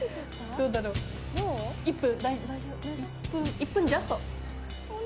１分ジャスト？